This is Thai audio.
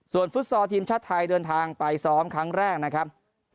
ส่วนฟุตซอลทีมชาติไทยเดินทางไปซ้อมครั้งแรกนะครับ